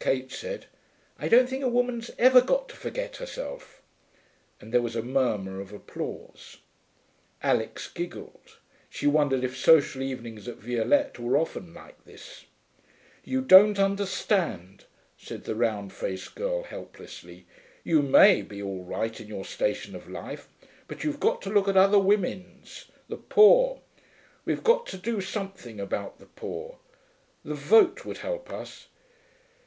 Kate said, 'I don't think a woman's ever got to forget herself,' and there was a murmur of applause. Alix giggled. She wondered if social evenings at Violette were often like this. 'You don't understand,' said the round faced girl helplessly. 'You may be all right, in your station of life, but you've got to look at other women's the poor. We've got to do something about the poor. The vote would help us.'